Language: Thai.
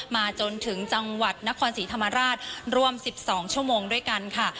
มาจนถึงจังหวัดนครศรีธรรมราชรวม๑๒ชั่วโมงด้วยกันค่ะ